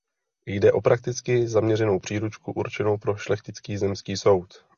Jde o prakticky zaměřenou příručku určenou pro šlechtický zemský soud.